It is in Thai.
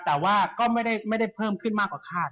แต่ว่าก็ไม่ได้เพิ่มขึ้นมากกว่าคาด